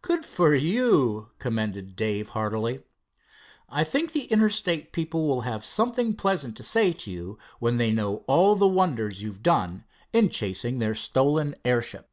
"Good for you!" commended Dave heartily. "I think the Interstate people will have something pleasant to say to you when they know all the wonders you've done in chasing their stolen airship."